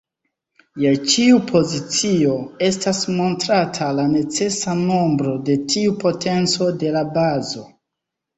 Je ĉiu pozicio, estas montrata la necesa nombro de tiu potenco de la bazo.